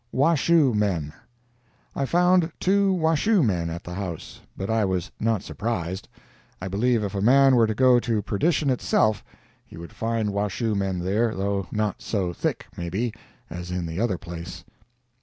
WASHOE MEN I found two Washoe men at the house. But I was not surprised—I believe if a man were to go to perdition itself he would find Washoe men there, though not so thick, maybe, as in the other place.